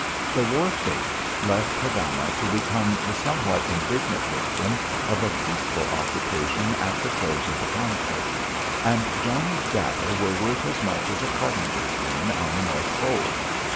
The war fate left Havana to become the somewhat indignant victim of a peaceful occupation at the close of the conflict, and Johnnie's data were worth as much as a carpenter's lien on the north pole.